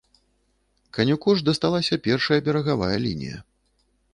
Канюку ж дасталася першая берагавая лінія.